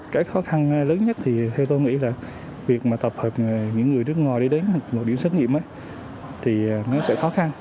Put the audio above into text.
cái khó khăn lớn nhất thì theo tôi nghĩ là việc mà tập hợp những người nước ngoài đi đến một điểm xét nghiệm thì nó sẽ khó khăn